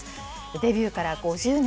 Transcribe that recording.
デビューから５０年。